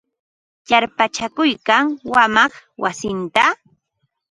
Yarpachakuykan wamaq wasinta.